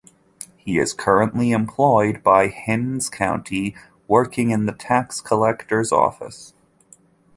He is currently employed by Hinds County working in the Tax Collector's office.